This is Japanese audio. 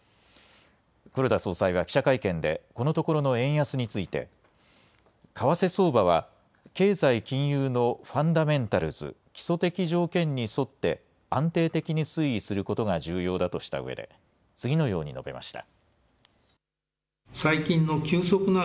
黒田総裁は記者会見で、このところの円安について、為替相場は経済金融のファンダメンタルズ・基礎的条件に沿って、安定的に推移することが重要だとしたうえで、次のように述べました。